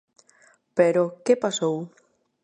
Pero, ¿que pasou?